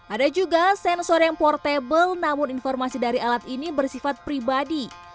ada juga sensor yang portable namun informasi dari alat ini bersifat pribadi